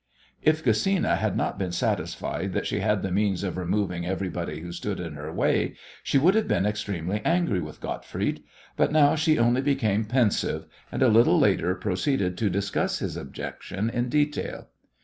If Gesina had not been satisfied that she had the means of removing everybody who stood in her way she would have been extremely angry with Gottfried, but now she only became pensive, and a little later proceeded to discuss his objection in detail.